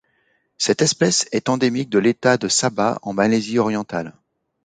Cette espèce est endémique de l'État de Sabah en Malaisie orientale.